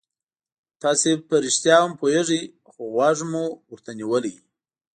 تاسو په رښتیا هم پوهېږئ خو غوږ مو ورته نیولی.